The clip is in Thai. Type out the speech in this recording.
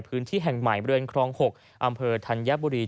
พื้นที่แห่งใหม่บริเวณครอง๖อำเภอธัญบุรี